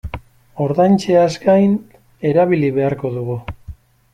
Ordaintzeaz gain erabili beharko dugu.